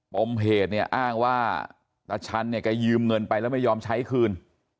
ปมเหตุเนี่ยอ้างว่าตาชันเนี่ยแกยืมเงินไปแล้วไม่ยอมใช้คืน